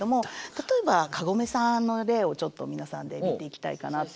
例えばカゴメさんの例をちょっと皆さんで見ていきたいかなと。